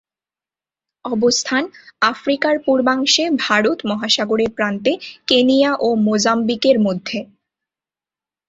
অবস্থান: আফ্রিকার পূর্বাংশে ভারত মহাসাগরের প্রান্তে কেনিয়া ও মোজাম্বিকের মধ্যে।